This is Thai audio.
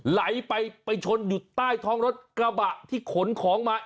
ไหลไปไปชนอยู่ใต้ท้องรถกระบะที่ขนของมา